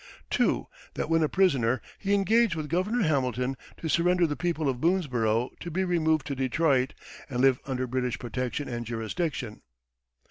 "2. That when a prisoner, he engaged with Gov. Hamilton to surrender the people of Boonesborough to be removed to Detroit, and live under British protection and jurisdiction.